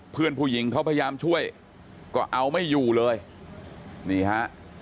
เพื่อนผู้หญิงเขาพยายามช่วยก็เอาไม่อยู่เลยนี่ฮะ